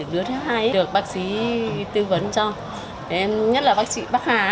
được bác sĩ tư vấn cho nhất là bác sĩ bác hà